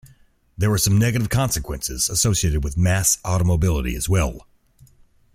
There were some negative consequences associated with mass automobility as well.